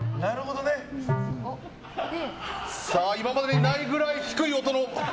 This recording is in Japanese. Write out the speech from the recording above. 今までにないくらい低い音。